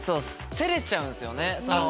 照れちゃうんすよね。